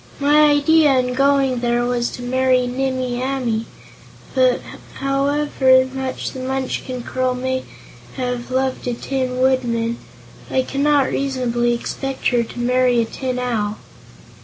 My idea in going there was to marry Nimmie Amee, but however much the Munchkin girl may have loved a Tin Woodman, I cannot reasonably expect her to marry a Tin Owl."